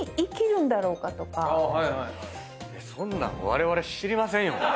そんなんわれわれ知りませんよ。